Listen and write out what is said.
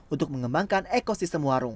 untuk mengembangkan ekosistem warung